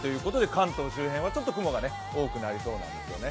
関東周辺はちょっと雲が多くなりそうなんですよね。